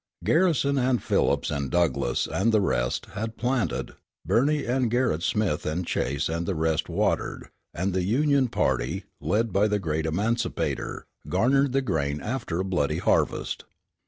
Garrison and Phillips and Douglass and the rest had planted, Birney and Gerrit Smith and Chase and the rest watered, and the Union party, led by the great emancipator, garnered the grain after a bloody harvest.